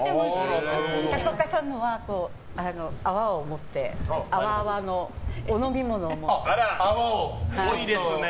高岡さんのは泡を持って、泡々のお飲み物を。